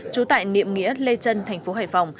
chú tại niệm nghĩa lê trân tp hcm